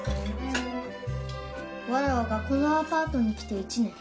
わらわがこのアパートに来て１年。